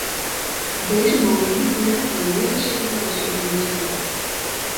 Deze mogen niet meer dan negen secretaressen in dienst hebben.